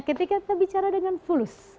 ketika kita bicara dengan fulus